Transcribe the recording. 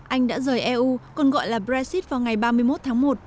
anh đã rời eu còn gọi là brexit vào ngày ba mươi một tháng một